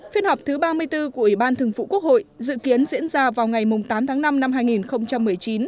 phiên họp thứ ba mươi bốn của ủy ban thường vụ quốc hội dự kiến diễn ra vào ngày tám tháng năm năm hai nghìn một mươi chín